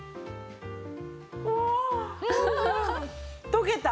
溶けた！